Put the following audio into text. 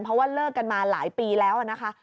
เพราะว่าเลิกกันมาหลายปีแล้วนะคะ